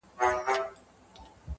باد د غوجلې شاوخوا ګرځي او غلی غږ لري,